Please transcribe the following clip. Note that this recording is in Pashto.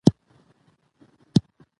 او د ولس په دردونو مرهم کېږدو.